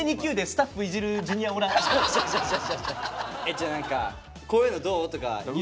じゃあ何か「こういうのどう？」とか言って。